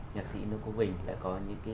nhạc sĩ nương quốc bình đã có những cái